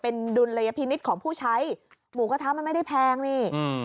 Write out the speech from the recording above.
เป็นดุลยพินิษฐ์ของผู้ใช้หมูกระทะมันไม่ได้แพงนี่